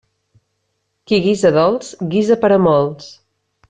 Qui guisa dolç guisa per a molts.